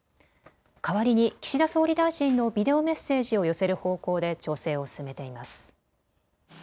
かわりに岸田総理大臣のビデオメッセージを寄せる方向で調整を進めています。